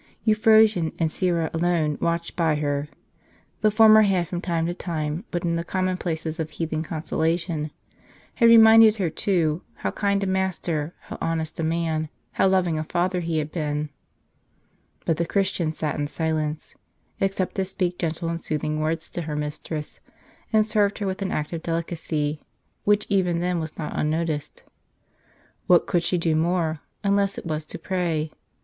Euphrosyne and Syra alone watched by her. The former had, from time to time, put in the commonplaces of heathen consolation, had reminded her too, how kind a master, how honest a man, how loving a father he had been. But the Christian sat in silence, except to speak gentle and soothing words to her mistress, and served her with an active delicacy, which even then was not unnoticed. Wliat could she do more, unless it was to pray